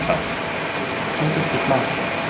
นายยิ่งถึงหรือเปล่า